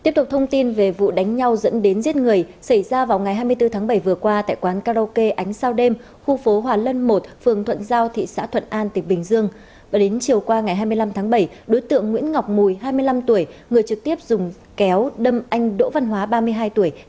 các bạn hãy đăng ký kênh để ủng hộ kênh của chúng mình nhé